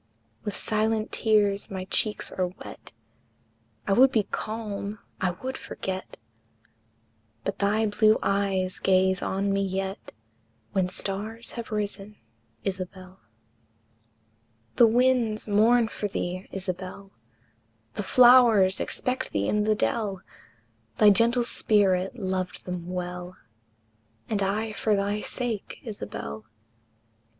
With silent tears my cheeks are wet, I would be calm, I would forget, But thy blue eyes gaze on me yet, When stars have risen, Isabel. The winds mourn for thee, Isabel, The flowers expect thee in the dell, Thy gentle spirit loved them well; And I for thy sake, Isabel!